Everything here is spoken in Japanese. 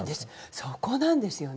そこなんですよね。